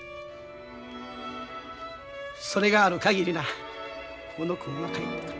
それがある限りな小野君は帰ってくる。